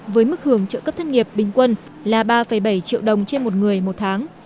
với mức hưởng trợ cấp thất nghiệp bình quân là ba bảy triệu đồng trên một người một tháng